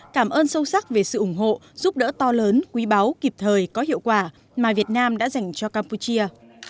cảm ơn sâu sắc về sự ủng hộ giúp đỡ to lớn quý báu kịp thời có hiệu quả mà việt nam đã dành cho campuchia